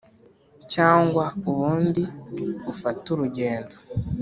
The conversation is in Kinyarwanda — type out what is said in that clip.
cyangwa ubundi ufate urugendo